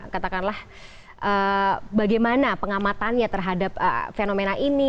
katakanlah bagaimana pengamatannya terhadap fenomena ini